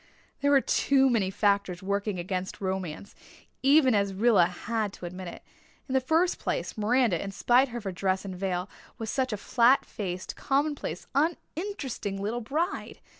There were too many factors working against romance, as even Rilla had to admit. In the first place, Miranda, in spite of her dress and veil, was such a flat faced, commonplace, uninteresting little bride.